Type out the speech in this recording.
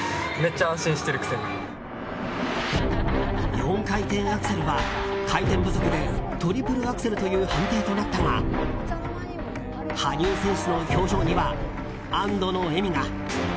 ４回転アクセルは回転不足でトリプルアクセルという判定となったが羽生選手の表情には安堵の笑みが。